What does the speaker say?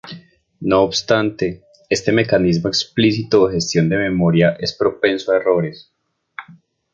No obstante, este mecanismo explícito de gestión de memoria es propenso a errores.